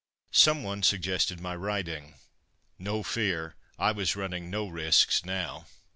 Some one suggested my riding no fear; I was running no risks now.